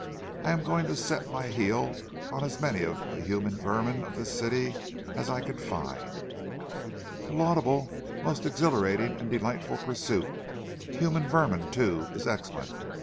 I am going to set my heel on as many of the human vermin of this city as I can find." "A laudable, a most exhilarating and delightful pursuit! `human vermin,' too, is excellent.